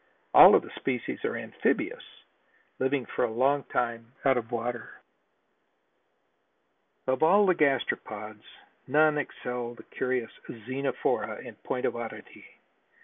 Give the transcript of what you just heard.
All of the species are amphibious, living for a long time out of the water. Of all the gastropods none excel the curious Xenophora in point of oddity.